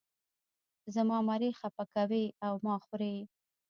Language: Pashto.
زما مرۍ خپه کوې او ما خورې.